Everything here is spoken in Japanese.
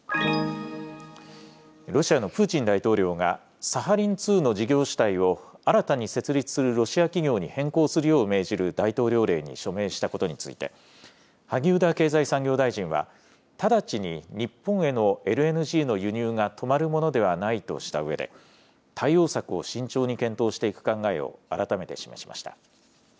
ロシアのプーチン大統領が、サハリン２の事業主体を新たに設立するロシア企業に変更するよう命じる大統領令に署名したことについて、萩生田経済産業大臣は、直ちに日本へのＬＮＧの輸入が止まるものではないとしたうえで、対応策を慎重に検討していく考えを改めて示しました。